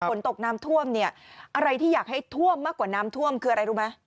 ฝนตกน้ำท่วมเนี่ยอะไรที่อยากให้ท่วมมากกว่าน้ำท่วมคืออะไรรู้ไหม